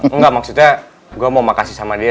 enggak maksudnya gua mau makasih sama dia